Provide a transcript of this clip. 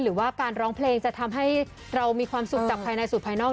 หรือว่าการร้องเพลงจะทำให้เรามีความสุขจากภายในสู่ภายนอก